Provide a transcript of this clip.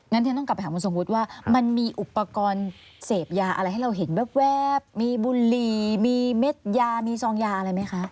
ฉันต้องกลับไปถามคุณทรงวุฒิว่ามันมีอุปกรณ์เสพยาอะไรให้เราเห็นแว๊บมีบุหรี่มีเม็ดยามีซองยาอะไรไหมคะ